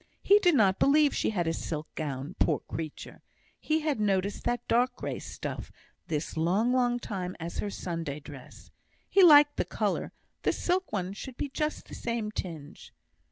He did not believe she had a silk gown, poor creature! He had noticed that dark grey stuff, this long, long time, as her Sunday dress. He liked the colour; the silk one should be just the same tinge.